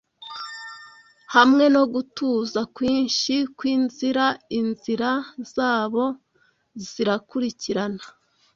Hamwe no gutuza kwinshi kwinzira Inzira zabo zirakurikirana